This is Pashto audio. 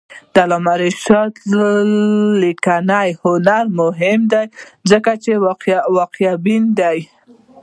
د علامه رشاد لیکنی هنر مهم دی ځکه چې واقعبین دی.